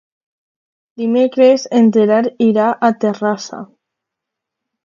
Dimecres en Gerard irà a Terrassa.